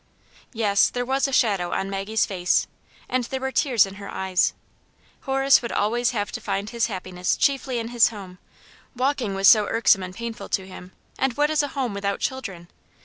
Yes, there was a shadow on Maggie's face, and Aunt yane's Hero. 219 there were tears in her eyes ; Horace would always have to find his happiness chiefly in his home, walk ing wad so irksome and painful to him, and what is a home without children